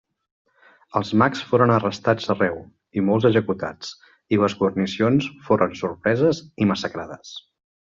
Els mags foren arrestats arreu, i molts executats, i les guarnicions foren sorpreses i massacrades.